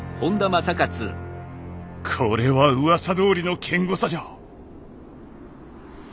これはうわさどおりの堅固さじゃ。